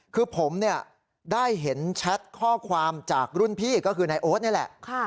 คือผมได้เห็นแชทข้อความจากรุ่นพี่ก็คือนายโอ๊ตนี่แหละ